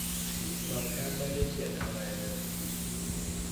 เราแทบไม่ได้เขียนอะไรเลย